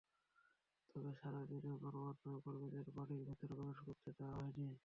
তবে সারা দিনই গণমাধ্যমের কর্মীদের বাড়ির ভেতরে প্রবেশ করতে দেওয়া হয়নি।